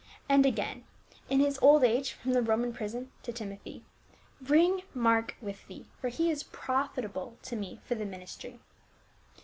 — And again in his old age from the Roman prison, to Timothy, " Bring Mark with thee ; for he is profitable to me for the ministry."